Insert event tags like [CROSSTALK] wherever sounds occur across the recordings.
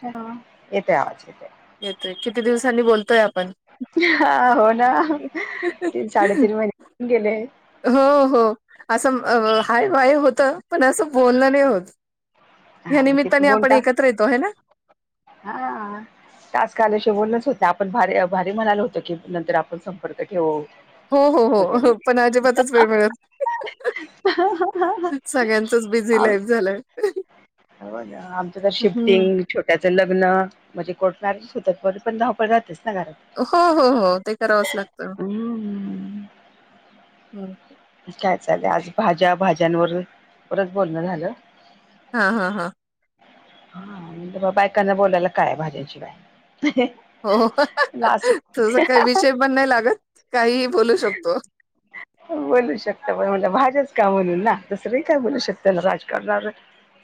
हा येतोय आवाज येते येतोय किती दिवसांनी बोलतोय आपण हा हो ना तीन साडेतीन महिने होऊन गेले हो हो असं हाय बाय होतं पण असं बोलणं नाही होत या हा मग ते निमित्ताने फोन आपण टास्क एकत्र येतो हे ना हा आज कालशी बोलनच होत नाही आपण भारी भारी म्हणालो होतो की नंतर आपण संपर्क ठेवू हो हो हो हो वगैरे. पण अजिबातच वेळ मिळत नाही सगळ्यांचच बिझी लाईफ झालंय आमचं तर हम्म. शिफ्टिंग छोट्याचं लग्न म्हणजे कोर्ट मॅरेजच होत पण धावपळच राहतेच ना घरात हो हो हो ते करावंच लागतं हम्म. हम काय चाललंय आज भाज्या भाज्यांवरच परत बोलणं झालं हा हा हा हा बायकांना बोलायला काय भाज्यांन शिवाय हो हहह तस काही विषय पण नाही लागत काहीही बोलू शकतो बोलू शकता पण म्हनल भाज्याच का म्हनून ना दुसरं ही काय बोलू शकत ना राजकारणावर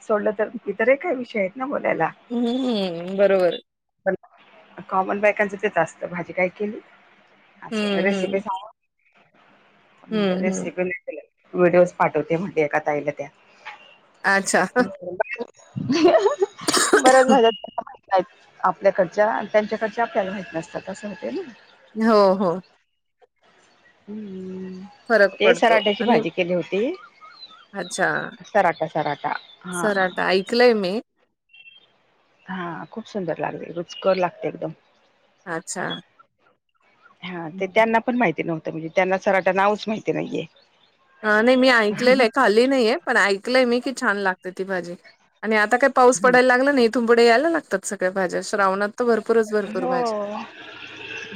सोडलं तर इतरही काय विषय आहेत ना बोलायला हम्म हम बरोबर पण कॉमन बायकांचं तेच असत भाजी काय केली असं हम्म रेसिपी हम्म सांग हम्म हम्म. रेसिपी व्हिडिओज पाठवते म्हणते एका ताईला त्या अच्छा ह-ह-ह बऱ्याच भाज्या आपल्याकडच्या अन् त्यांच्याकडच्या आपल्याला माहित नसतात असं होतय ना हो हो हम्म फरक ते पडतो सराट्याची आणि भाजी केली होती अच्छा सराटा सराटा हा सराटा ऐकलंय मी हा खूप सुंदर लागते रुचकर लागते एकदम अच्छा हा ते हम्म. त्यांना पण माहिती नव्हतं म्हणजे त्यांना सराटा नावच माहिती नाहीये नाही मी ऐकलेलं आहे खाली नाहीये पण ऐकलंय मी की छान लागते ती भाजी आणि आता काय पाऊस पडायला लागला ना इथून पुढे यायला लागतात सगळ्या भाज्या श्रावणात त भरपूरच भरपूर हो भाजी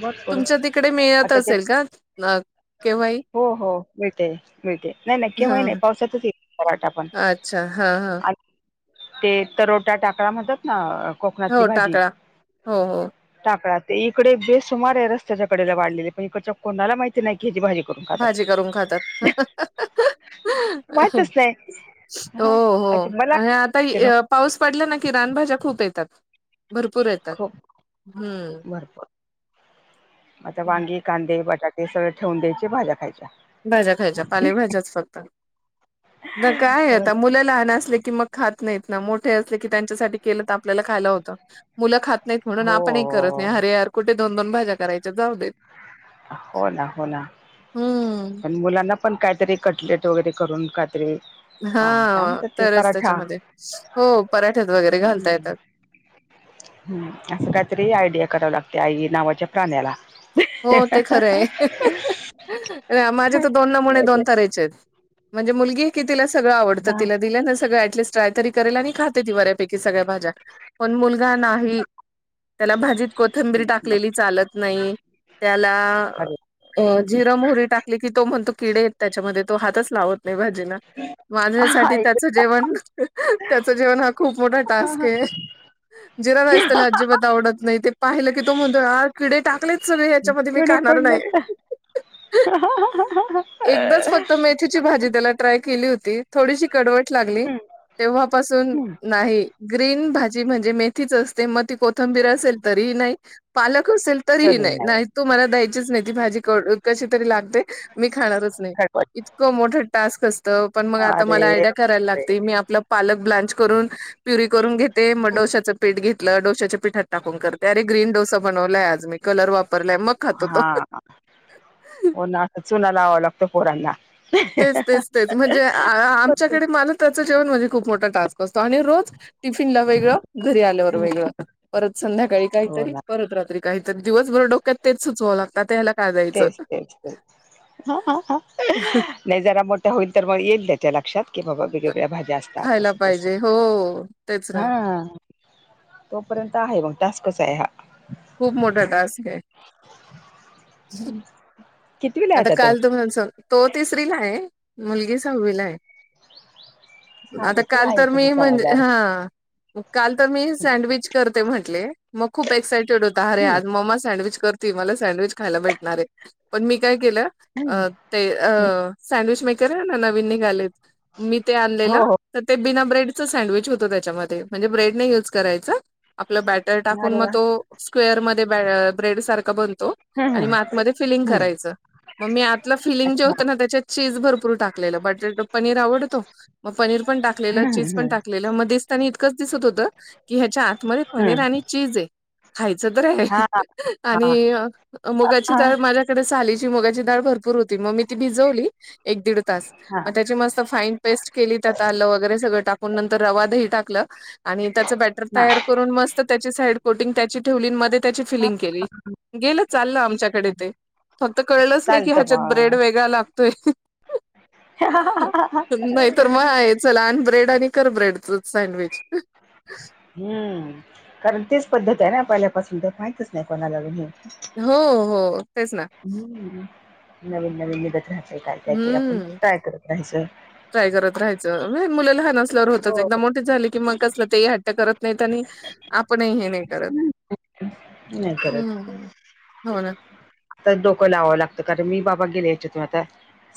भरपूर तुमच्या तिकडे मिळत आता ते असेल का मग केव्हाई हो हो मिळते मिळते नाही नाही केव्हाही हा. नाही पावसातच ये [UNINTELLIGIBLE] वाटा पण अच्छा हा हा आणि ते तरोटा टाकळा म्हणतात ना अ कोकणातली हो भाजी टाकळा हो हो टाकळा ते इकडे बेसुमार ये रस्त्याच्याकडेला वाढलेले पण इकडच्या कोणाला माहिती नाय की ह्याजी भाजी करून खातात. भाजी करून खातात माहितच नाही हो हो आता मला आणि आता ई यप पाऊस पडला ना की रानभाज्या खूप येतात भरपूर येत खूप हूं भरपूर आता वांगे, कांदे, बटाटे सगळे ठेवून द्यायचे भाज्या खायच्या. भाज्या खायच्या पालेभाज्याच फक्त म काय ये हो आता मुलं लहान असले की मग खात नाहीत ना मोठे असले की त्यांच्यासाठी केलं त आपल्याला खायला होत मुलं खात नाहीत म्हणून आपणही करत नाही हरे यार कुठे दोन दोन भाज्या करायच्या जाऊ देेत हो ना हो ना हम्म पण मुलांना पण कायतरी कटलेट वगैरे करून कायतरी हा तरच त्याच्यामध्ये हो पराठ्यात वगैरे घालता हम्म येतात. हम्म असं कायतरी आयडिया कराव लागते आई नावाच्या प्राण्याला हो ते खरंय अ माझे तर दोन नमुणे दोन तरेचे येत. म्हणजे मुलगी की तिला सगळ आवडत हा तिला दिल न सगळं ॲटलिस्ट ट्राय तरी करेल आणि खाते ती बऱ्यापैकी सगळ भाज्या पण मुलगा नाही त्याला भाजी कोथंबीरी टाकलेली चालत नाही. त्याला अरे अ झिर मोहोरी टाकली की तो म्हणतो किडे येत. त्याच्यामध्ये तो हातच लावत नाय भाजीला माझ्यासाठी आई त्याचं जेवण त्याचं जेवण हा खूप मोठा टास्क गं ये. जिरा राईस त्याला अजिबात आवडत नाही ते पाहिलं की तो म्हणतो आ किडे टाकलेत. सगळे हयाच्यामध्ये मी किडे काणार नाय पडलेत. एकदाच फक्त मेथीत ची भाजी त्याला ट्राय केली होती. थोडीशी कडवट लागली तेव्हापासून हम्म नाही ग्रीन भाज जी म्हणजे मेथीच असते म ती कोथंबीर असेल तरीही नाही पालक असेल तरीही नाही. नाही तू मला द्यायचीच नाय ती भाजी कड कशी तरी लागते मी खाणारच नाय खरवट इतकं मोठ टास्क असत पण मग आता अरे मला आयड्या करायला बापरे लागते मी आपला पालक ब्लाच करून प्युरी करून घेते म डोश्याचं पीठ घेतलं डोश्याच्या पीठात टाकून करते अर ग्रीन डोसा बनवलाय आज मी कलर वाप हा होनां आता चुना लावावां लागतो पोरांना तेच तेच तेच म्हणजे आ आ आमच्याकडे मला त्याचं जेवण म्हणजे खूप मोठा टास्क असतो आणि रोज टिफिनला वेगळं घरी आल्यावर वेगळं परत संध्याकाळी हो काहीतरी ना परत रात्री काही तर दिवसभर डोक्यात तेच सुचवावं लागत आता ह्याला काय द्यायचं तेच तेच तेच नाय जरा मोठ्या होईल तर म येईल त्याच्या लक्षात की बाबा वेगवेगळ्या भाज्या असतात खायला असं तस पाहिजे हो तेच ना हा तोपर्यंत आहे मग टास्कच आहे हा. खूप मोठा टास्क आहे. हम्म. आता काल [UNINTELLIGIBLE] तो तिसरी ला आहे मुलगी सहावीला आहे. हा आता मग ती काल आहे तर तरी मी म्हणजे समजदार. हा. काल तर मी सँडविच करते म्हटले म खूप एक्सायटेड होता अरे हम्म आज मम्मा सँडविच कर ती मला सँडविच खायला भेटणार आहे पण मी काय केलं हम्म अ ते अ हम्म. सँडविच मेकर आहे ना नवीन निघालेत मी ते हो आणलेला हो तर ते बिना ब्रेडचं सँडविच होतं त्याच्यामध्ये म्हणजे ब्रेड नाही युज करायचं आपलं बॅ टर टाकून अरे मग वा तो स्क्वेअर मध्ये बॅ ब्रेड सारखा बनतो. हम्म आणि हम्म म आतमध्ये फिलिंग हम्म. करायचं. मग मी आतलं फिलिंग जे अच्छा होतं ना त्याच्यात चीज भरपूर टाकलेलं बटर पनीर आवडतो मग पनीर पण टाकलेलं हम्म चीज पण हम्म टाकलं मध्ये दिसतानी इतकंच दिसत होतं. कि ह्याच्या आतमध्ये पनीर हम्म आणि चीज आहे. खायच तर आहे हा हा आणि मुगाची हा डाळ तर माझ्याकडे साली ची मुंगाचीडाळ भरपूर होती मग मी ती भिजवली एक दीड तास हा हा म त्याची मस्त फाईन पेस्ट केली त्यात आलं वगैरे सगळं टाकून नंतर रवा दही टाकलं आणि त्याचं बॅटर तयार करून मस्त त्याची साईड कोटिंग त्याची ठेवली मध्ये त्याची हा फिलिंग केली. गेलं चाललं आमच्याकडे ते फक्त कळलंच नाही की चालतं ह्याच्यात ब्रेड मग वेगळा लागतोय. नाही तर म आहे चल आण ब्रेड आणि कर ब्रेडच सँडविच. हम्म कारण तेच पद्धत आहे ना पहिल्यापासून तर माहितीच नाही कोणाला बी हम्म. हो हो तेच ना. हम्म नवीन नवीन निघत राहतं काय-काय ते आपण हम्म. ट्राय करत राहायचं. ट्राय करत राहायचं म मुला लहान असल्यावर होतच हो. एकदा मो ठी झाली कि मग कसलं ते हट्ट करत नाहीत आणि आपण ही हे नाही करत नाही करत हम्म हम्म हो ना. तर डोकं लावावं लागतं कारण मी बाबा गेल्या यायच्यातून आता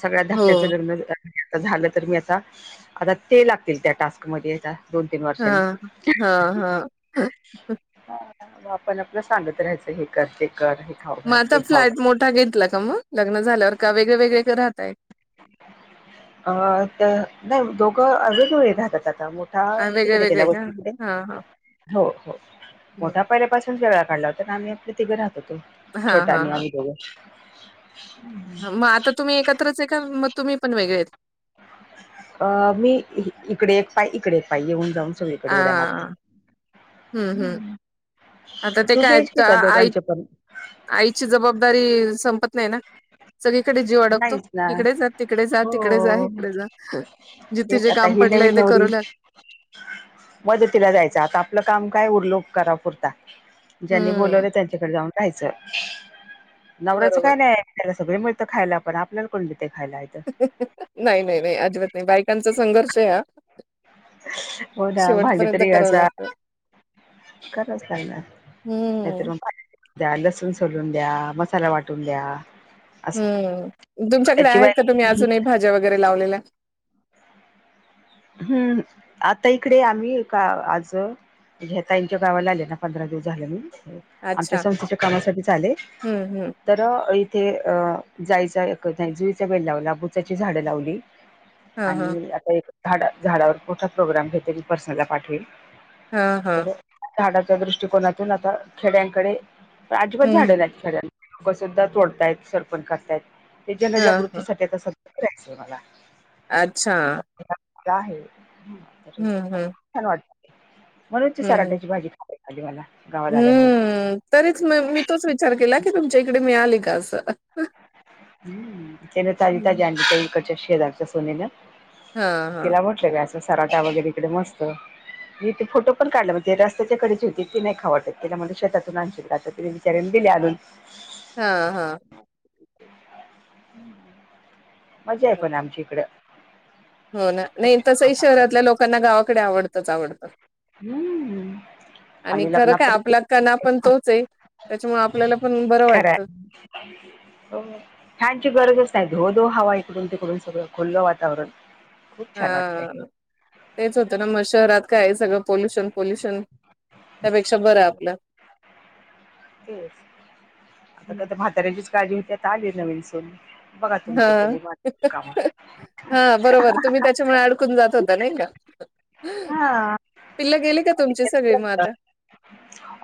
सगळ्या हो. धाक्याचं लग्न [UNINTELLIGIBLE] आता झालं तर मी आता आता ते लागतील त्या टास्कमध्ये हेच्या दोन तीन वर्षांनी. हा हा. [INAUDIBLE] आपण आपलं सांगत राहायचं हे कर ते कर हे खाऊ म घाल आता ते खाऊ घाल फ्लॅट मोठा घेतला का म लग्न झाल्यावर का वेगळे वेगळे राहतय? अ त्या नाही दोघं अजून ही [UNINTELLIGIBLE] राहतात आता मो ठा वेगळे तिकड वेगळे गेल्या का? वस्ती कुटे हां, हां. हो हो मोठ्या हं. पहिल्यापासून [UNINTELLIGIBLE] काढला होता ना आम्ही आपलं तिघं राहत होतो. हां, छोटा हां, आणि आम्ही दोघं. म आता तुम्ही एकत्रच आहे का म तुम्ही पण वेगळे आहेत? अ मी इकडे एक पाय इकडे पाय येऊन जाऊन चौवीकडे उड्या मारते. हां. हं, हं. आता ते टू बी काय एच त- के चा आहे आई दोघांचे पण. आईची जबाबदारी संपत नाही ना. सगळीकडे जीव अडकतो नाहीच ना इकडे जा तिकडे जा तिकडे जा हो इकडे जा. जिथे तेच जे आता काम ही पडलंय नवीन ते नवरी करू ना. मदतीला जायचं आता आपलं काम काय उरलो करा पुुरता. ज्यांनी हम्म बोलावले त्यांच्याकडे जाऊन राहायचं नवऱ्याचं बरोबर काय नाय त्याला सगळे मिळतं खायला आपण आपल्याला कोण देते खायला इथं. नाही नाही नाही, अजिबात नाही, बायकांचा संघर्षय हा. हो ना, भांडे शेवटपर्यंत तरी करावं घासा लागतं खरच [UNINTELLIGIBLE] हम्म नाहीतर [UNINTELLIGIBLE] द्या लसूण सोलून द्या, मसाला वाटून द्या. असं हम्म! तुमच्याकडे त्याची आहेत का, तुम्ही बायको अजूनही भाज्या वगैरे लावलेल्या? हम्म! आता इकडे आम्ही एका आज म्हणजे, ह्या ताईंच्या गावाला आले ना, पंधरा दिवस झाल मी आमच्या अच्छा संस्थेच्या कामासाठीच आले. हम्म हम्म तर इथे अ जायच, जुईचा बेल लावला, बुचाची झाडं लावली. हा हा आणि आता एक झाड, झाडावर मोठा प्रोग्राम घेते, मी पर्सनला पाठवेल. हा हा तर, झाडाच्या दृष्टिकोनातून आता खेड्यांकडे अजिबाज झाड हम्म नाही आहेत, खऱ्याना लोकसुद्धा तोडतायत, सरपन करतायत. ते हा हा जनजागृतीसाठी आता सध्या करायचय मला. अच्छा! आहे, हम्म हम्म छान वाटत, म्हणून हम्म सराट्याची भाजी [UNINTELLIGIBLE] हम्म! तरीच म मी तोच विचार केला, की तुमच्या इकडे मिळाली का असं? हम्! त्यान ताजी ताजी हं. आणली, त्या इकडच्या शेजारच्या सुनेन, हां, हां. तिला असं, सराटा वगैरेकडे मस्त मी इथे फोटो पण काढला, म्हणजे रस्तच्या कडेचचे होते तती नाही खाव वाटत, ततिला म्हणल शेतातून आणशील का? तिने बिचारीने दिले आणून. हा हा. [UNINTELLIGIBLE] [INAUDIBLE] मजा आहे पण आमची इकड. हो ना, नाही तसंही शहरातल्या वातावरण लोकांना गावाकडे आवडतंच आवडतं. हम्म! आणि खरं काय, आपला कणा पण तोच आहे, त्याच्यामुळ आपल्याला पण बरं खरं वाटतं. आहे हो. फॅनची गरजच नाही, धो धो हवा, इकडून तिकडून सगळं खुलं वातावरण. खूप छान वाटतंय हा. तेच होतं ना, मग शहरात काय आहे, सगळं पॉोल्युशन पोल्युशन, त्यापेक्षा बरं आहे आपलं. तेच, आता हं. का तर म्हाताऱ्यांचीच काळजी होती, आता आली नवीन सून. बघा तुमच तरी, [UNINTELLIGIBLE] का हा बरोबर, तुम्ही त्याच्यामुळे अडकून जात होता नाही का? हा. पिल्ला गेली का तुमची सगळी म आता?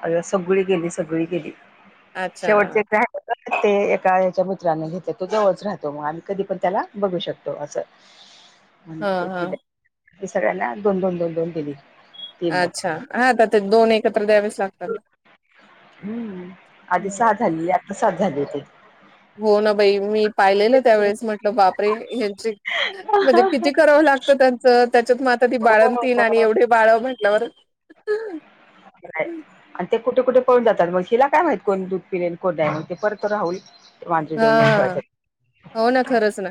अर सगळी गेली, सगळी गेली, अच्छा. शेवटचे एक ते एका याच्या मित्राने घेतलं, तो जवळच राहतो मग, आम्ही कधी पण त्याला बघू शकतो असं. [INAUDIBLE] एक हां. दिले, सगळ्यांना दोन, दोन, दोन, दोन, दिली. तीन अच्छा! लोकांना हा आता ते दोन एकत्र द्यावेच लागतात ना? हम्म! आधी सहा झाली, आत्ता सात झाली होती. हो ना बाई, मी पाहिलेलं त्यावेेळेस, म्हटलं बापरे! यांची म्हणजे किती करावं लागत त्यांच, त्याच्यात मग आता ती बाळणतीन, आणि एवढे बाळ म्हटल्यावर [UNINTELLIGIBLE] [INAUDIBLE] आणि ते कुठे कुठे पळून जातात मग, आणि हिला काय माहती, कोण दूध पिलेल कोन नाही, ते परत राह हा हो ना खरंच ना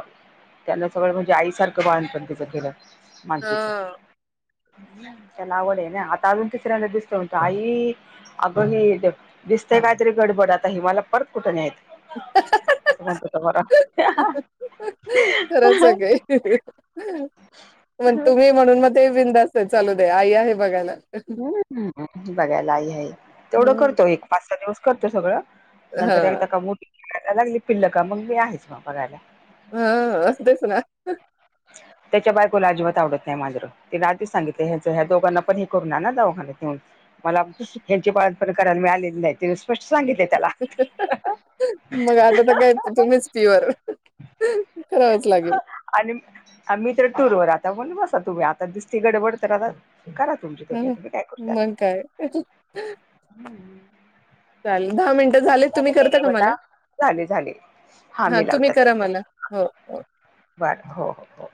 [UNINTELLIGIBLE] त्यांन सगळं म्हणजे आईसारखं, बाळंतपण तीचं केलं. मानसीच. हा. त्याला आवडय न. आता अजून तिसऱ्यांद दिसतो म्हणतो, आई अगं, ही दि - दिसतंय काहीतरी गडबड. आता ही मला परत कुठानेयत. असं, म्हणतो तो मला. खरंच [UNINTELLIGIBLE] मग तुम्ही म्हणून, मग ते बिंदस्ताय. चालू दे, आई आहे बघायला. ह, बघायला आई आहे. तेवढं हम्म करतोय. एक पाच - सहा दिवस करतो सगळं. हा नंतर एकदा का, मोठी [UNINTELLIGIBLE] लागली पिल्लं का, मग मी आहेच मग बघायला. ह, अ तेस ना? त्याच्या बायकोला, अजिबात आवडत नाही. माजरं. तिनं आधी सांगितल. ह्यांच, ह्या दोघांना पण हे करून आना दवाखान्यात नेऊन. मला, ह्यांची बाळंतपण करायला मि आलेली नाही. तिनं स्पष्ट सांगितलय त्याला. [UNINTELLIGIBLE] [UNINTELLIGIBLE] मग, आता तर काय, तुम्हीच प्युअर. करावच लागेल. आणि मी तर टूरवर. आता मनलं बसा, तुम्ही आता. दिसतीय गडबड तर आता करा तुमची [UNINTELLIGIBLE] तुम्ही ह आता. मी काय करू त्याला? मग काय हम्म चाले. दहा मिनटं झाले, तुम्ही करता ग का मला? बेटा झाले झाले हा, मी तुम्ही लावतात करा एक मला. हो, हो. बर. हो, हो.